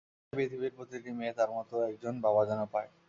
আমি চাই, পৃথিবীর প্রতিটি মেয়ে তাঁর মতো একজন বাবা যেন পায়।